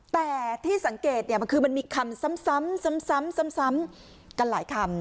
แต่ที่สังเกตเนี่ยมันคือมันมีคำซ้ำซ้ำซ้ำซ้ำซ้ำซ้ำกันหลายคำ